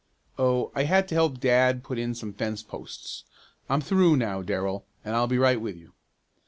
"Oh, I had to help dad put in some fence posts. I'm through now, Darrell, and I'll be right with you."